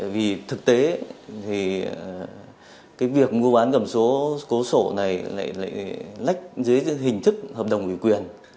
vì thực tế việc mua bán cầm cố sổ này lại lách dưới hình thức hợp đồng ủy quyền